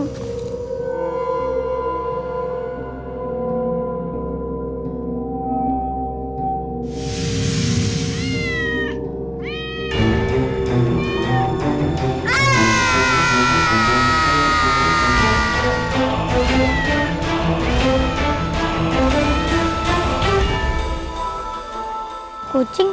kalau lupa shuriken